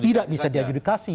tidak bisa di adjudikasi